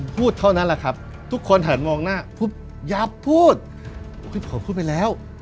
พูดเท่านั้นแหละครับทุกคนหันมองหน้าพูดยับพูดผมพูดไปแล้ว